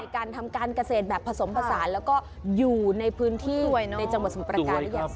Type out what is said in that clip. ในการทำการเกษตรผสมผสานแล้วก็อยู่ในพื้นที่จังหวัดสมบัติการ